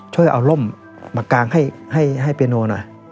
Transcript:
ช่วยเอาร่มมากางให้เปียโนหน่อย